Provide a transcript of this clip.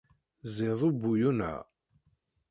Ẓid ubuyun-a.